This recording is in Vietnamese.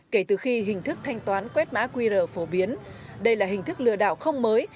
kể từ khi hình thức thanh toán quét mã qr phổ biến đây là hình thức lừa đảo không mới